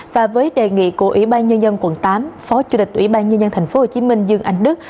và với đề nghị của ủy ban nhân dân quận tám phó chủ tịch ủy ban nhân dân tp hcm dương anh đức